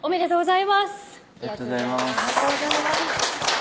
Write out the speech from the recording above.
ありがとうございます。